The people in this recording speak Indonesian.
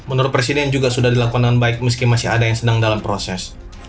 menurut presiden juga sudah dilakukan dengan baik meski masih ada yang sedang dalam proses